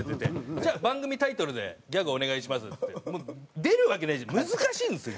「じゃあ番組タイトルでギャグお願いします」ってもう出るわけない難しいんですよ